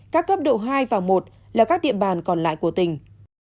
các cấp độ hai và một là các địa bàn còn lại của tỉnh